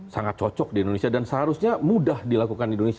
sangat cocok di indonesia dan seharusnya mudah dilakukan di indonesia